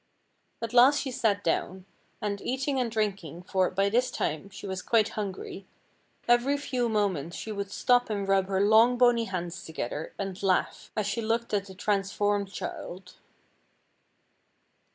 At last she sat down, and, eating and drinking, for, by this time, she was quite hungry, every few moments she would stop and rub her long bony hands together, and laugh, as she looked at the transformed child.